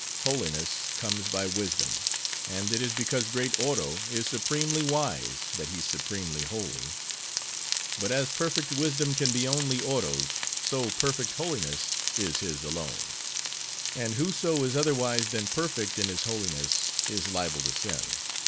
Holiness comes by wisdom; and it is because great Oro is supremely wise, that He's supremely holy. But as perfect wisdom can be only Oro's; so, perfect holiness is his alone. And whoso is otherwise than perfect in his holiness, is liable to sin.